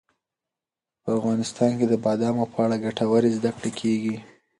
په افغانستان کې د بادامو په اړه ګټورې زده کړې کېږي.